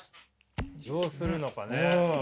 どうするのかね。